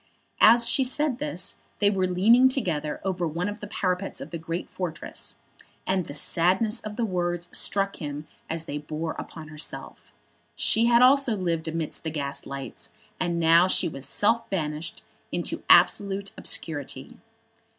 As she said this they were leaning together over one of the parapets of the great fortress, and the sadness of the words struck him as they bore upon herself. She also had lived amidst the gaslights, and now she was self banished into absolute obscurity.